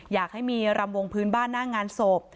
อยากให้มีรำวงพื้นบ้านหน้างานศพ